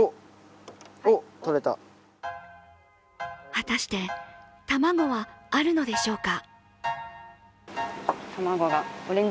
果たして、卵はあるのでしょうか